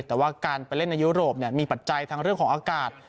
แต่ว่าการไปเล่นในยุโรปมีปัจจัยทั้งเรื่องของอากาศ